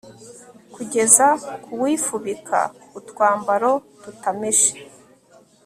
kugeza ku wifubika utwambaro tutameshe